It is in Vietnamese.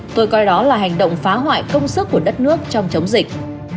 tôi coi đó là hành động phá hoại công sức của đất nước trong chống dịch